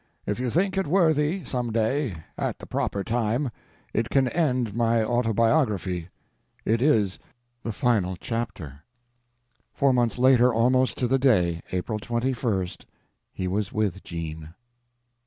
If you think it worthy, some day—at the proper time—it can end my autobiography. It is the final chapter." Four months later—almost to the day—(April 21st) he was with Jean.